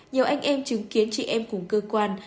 nhiều anh em chứng kiến chị em cùng cơ quan